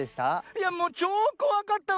いやもうちょうこわかったわ！